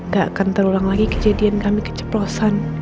gak akan terulang lagi kejadian kami keceplosan